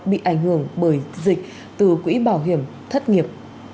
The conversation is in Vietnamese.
bị ảnh hưởng bởi dịch từ quỹ bảo hiểm thất nghiệp